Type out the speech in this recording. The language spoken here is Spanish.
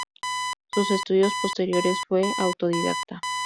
Sus estudios posteriores fue autodidacta.